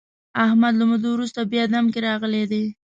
احمد له مودو ورسته بیا دم کې راغلی دی.